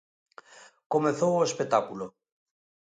Comezou o espectáculo.